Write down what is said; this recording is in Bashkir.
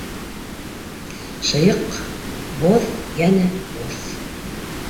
Шыйыҡ, боҙ, йәнә боҫ...